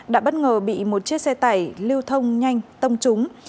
đã bất ngờ bị một chiếc xe tải lưu thông nhanh tông trúng